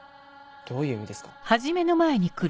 どういう意味ですか？